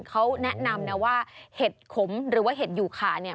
เขาแนะนำนะว่าเห็ดขมหรือว่าเห็ดอยู่ขาเนี่ย